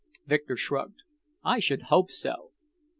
Victor shrugged. "I should hope so!"